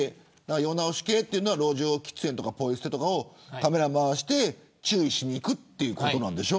世直し系というのは路上喫煙やポイ捨てをカメラをまわして注意しにいくということでしょ。